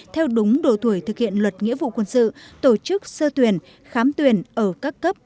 theo đúng độ tuổi thực hiện luật nghĩa vụ quân sự tổ chức sơ tuyển khám tuyển ở các cấp